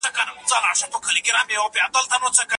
هنر د ارواپوهني بله ژبه ده.